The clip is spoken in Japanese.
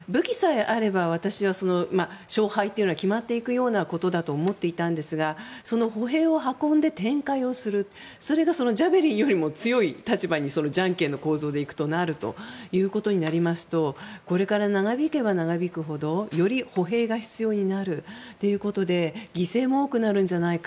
要するに、武器さえあれば私は勝敗というのは決まっていくようなことだと思っていたんですがその歩兵を運んで展開をするそれがジャベリンよりも強い立場にじゃんけんの構造でいくとなるとなりますとこれから長引けば長引くほどより歩兵が必要になるということで犠牲も多くなるんじゃないか。